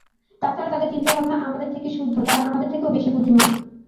তাছাড়া, তাদের চিন্তাভাবনা আমাদের থেকে শুদ্ধ তারা আমাদের থেকেও বেশি বুদ্ধিমান।